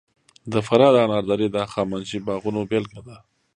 د فراه د انار درې د هخامنشي باغونو بېلګه ده